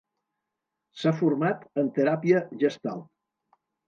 S'ha format en Teràpia gestalt.